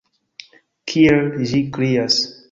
Kiel ĝi krias!